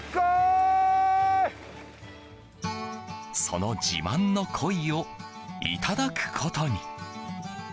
その自慢の鯉をいただくことに。